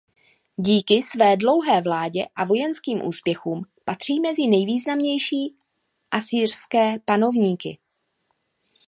Díky své dlouhé vládě a vojenským úspěchům patří mezi nejvýznamnější asyrské panovníky.